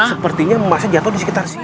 sepertinya masa jatuh di sekitar sini